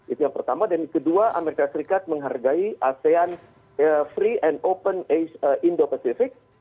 itu yang pertama dan kedua amerika serikat menghargai asean free and open indo pacific